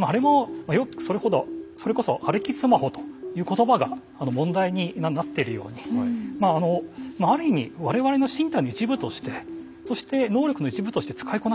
あれもそれこそ歩きスマホという言葉が問題になってるようにまあある意味我々の身体の一部としてそして能力の一部として使いこなしてますよね。